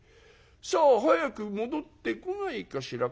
「さあ早く戻ってこないかしら」